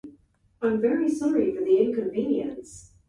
略奪し、凌辱したのちに留置される。